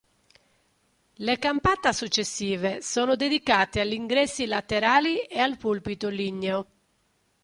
Le campata successive sono dedicate agli ingressi laterali e al pulpito ligneo.